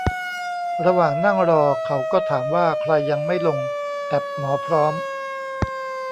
ระหว่างนั่งรอเขาก็ถามว่าใครยังไม่ลงแอปหมอพร้อม